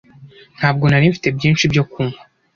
Ntabwo nari mfite byinshi byo kunywa